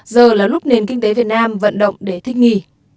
giờ là lúc nền kinh tế việt nam vận động để thích nghỉ